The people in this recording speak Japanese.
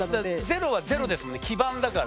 ゼロはゼロですもんね基盤だから。